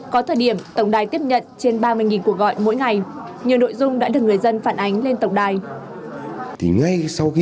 có thời điểm tổng đài tiếp nhận trên ba mươi cuộc gọi mỗi ngày